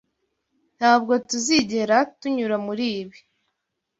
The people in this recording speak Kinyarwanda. Ntabwo tuzigera tunyura muribi.